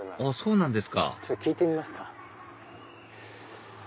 あっそうなんですか聞いてみますか。